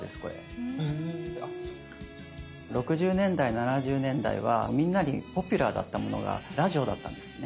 ６０年代７０年代はみんなにポピュラーだったものがラジオだったんですね。